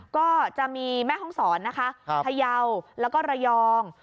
ก็จะมีแม่ห้องศรนะคะพยาวแล้วก็ระยอง